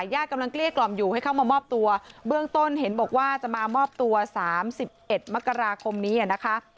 ญาติกำลังเกลี้ยกล่อมอยู่ให้เข้ามามอบตัวเบื้องต้นเห็นบอกว่าจะมามอบตัว๓๑มกราคมนี้นะคะ